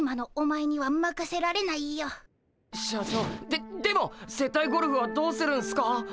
ででも接待ゴルフはどうするんすか？